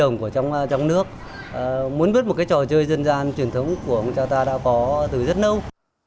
muốn biết một cái trò chơi dân gian truyền thống của ông cha ta đã có từ rất lâu